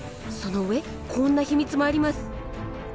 その上こんな秘密もあります。